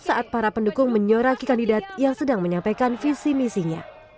saat para pendukung menyoraki kandidat yang sedang menyampaikan visi misinya